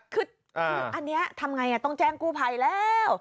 คืออันนี้ทำไงต้องแจ้งกู้ภัยแล้ว